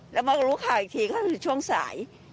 แล้วมารู้ข่าวอีกทีก็คือช่วงสาย